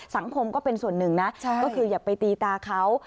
ก็เป็นส่วนหนึ่งนะก็คืออย่าไปตีตาเขา